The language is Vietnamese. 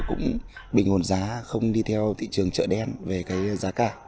cũng bình ổn giá không đi theo thị trường chợ đen về cái giá cả